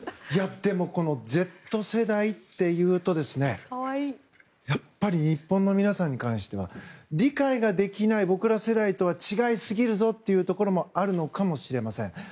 でも、このＺ世代っていうとやっぱり日本の皆さんに関しては理解ができない僕ら世代とは違いすぎるぞというところもあるのかもしれません。